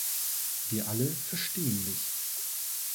Wir alle verstehen dich.